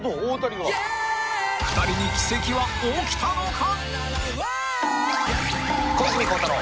［２人に奇跡は起きたのか？］